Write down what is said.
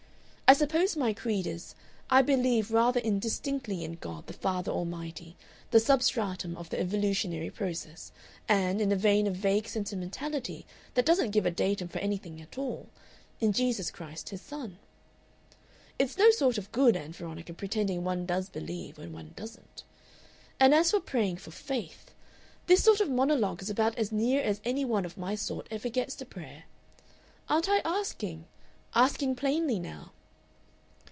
.. I suppose my creed is, 'I believe rather indistinctly in God the Father Almighty, substratum of the evolutionary process, and, in a vein of vague sentimentality that doesn't give a datum for anything at all, in Jesus Christ, His Son.'... "It's no sort of good, Ann Veronica, pretending one does believe when one doesn't.... "And as for praying for faith this sort of monologue is about as near as any one of my sort ever gets to prayer. Aren't I asking asking plainly now?...